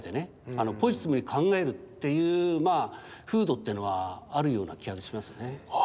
ポジティブに考えるっていう風土っていうのはあるような気がしますね。